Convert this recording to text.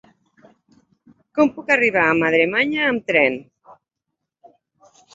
Com puc arribar a Madremanya amb tren?